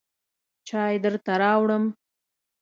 چای درته راوړم.